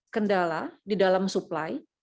kendala di dalam supply